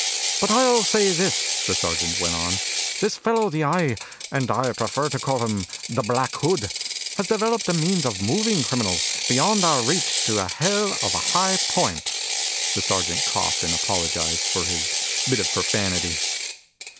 "But I'll say this," the sergeant went on, "this fellow the Eye, and I prefer to call him the Black Hood, has developed a means of moving criminals beyond our reach to a hell of a high point." The sergeant coughed and apologized for his bit of profanity.